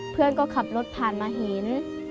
เพื่อนก็ขับรถผ่านมาเห็น